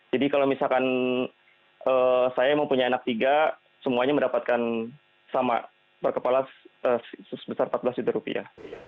jadi kalau misalkan saya mempunyai anak tiga semuanya mendapatkan sama per kepala sebesar empat belas juta rupiah